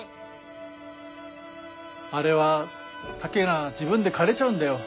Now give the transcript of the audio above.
あれは竹が自分でかれちゃうんだよ。